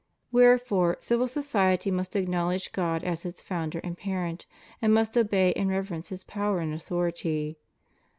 Wlierefore civil society must acknowledge God as its Founder and Parent, and must obey and reverence His power and authority.